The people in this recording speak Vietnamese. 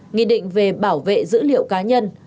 nghị định về bảo vệ dữ liệu cá nhân